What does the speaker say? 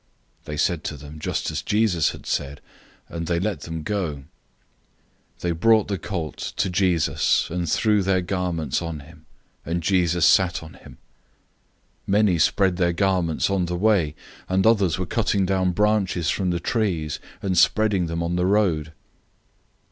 011:006 They said to them just as Jesus had said, and they let them go. 011:007 They brought the young donkey to Jesus, and threw their garments on it, and Jesus sat on it. 011:008 Many spread their garments on the way, and others were cutting down branches from the trees, and spreading them on the road.